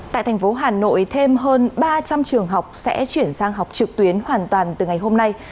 tại thành phố hà nội thêm hơn ba trăm linh trường học sẽ chuyển sang học trực tuyến hoàn toàn từ ngày hôm nay